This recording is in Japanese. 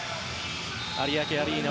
有明アリーナ